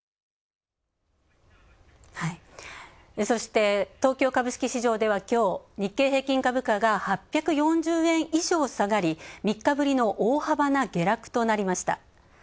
そして、東京株式市場では、きょう、日経平均株価が８４０円以上下がり、３日ぶりの大幅な下落となりました。